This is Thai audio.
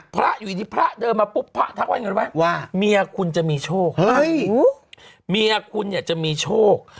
พระอยู่ที่พระเดินมาปุ๊บพระทักวันว่าเมียคุณจะมีโชคเมียคุณจะมีโชค